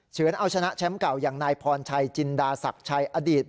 เฉือนเอาชนะแชมป์เก่าอย่างนายพรชัยจินดาศักดิ์ชัยอดีต